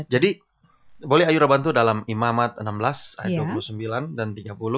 jadi boleh ayura bantu dalam imamat enam belas ayat dua puluh sembilan dan tiga puluh